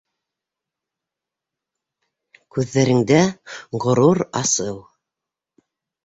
Күҙҙәрендә ғорур асыу.